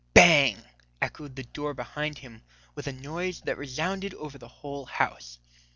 "Bang!" echoed the door behind him with a noise that resounded over the whole house.